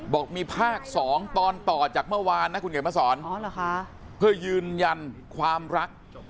บอกมีภาค๒ตอนต่อจากเมื่อวานนะคุณเขียนมาสอนเพื่อยืนยันความรัก